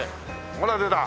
ほら出た。